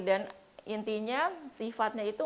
dan intinya sifatnya itu